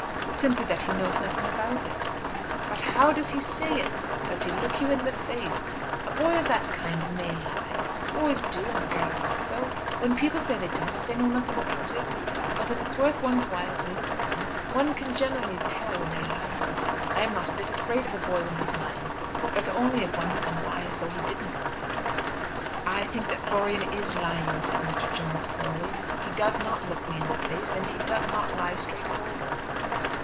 "Simply that he knows nothing about it." "But how does he say it? Does he look you in the face? A boy of that kind may lie. Boys do and girls also. When people say they don't, they know nothing about it; but if it's worth one's while to look at them one can generally tell when they're lying. I'm not a bit afraid of a boy when he is lying, but only of one who can lie as though he didn't lie." "I think that Florian is lying," said Mr. Jones slowly; "he does not look me in the face, and he does not lie straightforward."